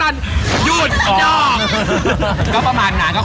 อัทซอนเยอร์ไหนอัทซอนเยอร์